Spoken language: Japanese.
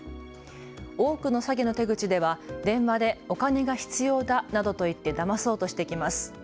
多くの詐欺の手口では電話でお金が必要だなどと言ってだまそうとしてきます。